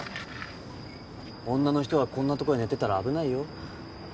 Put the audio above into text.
女の人がこんな所に寝てたら危ないよ